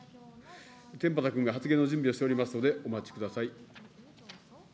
天畠君が発言の準備をしておりますので、お待ちください。